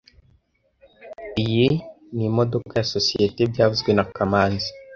yi ni imodoka ya sosizoete byavuzwe na kamanzi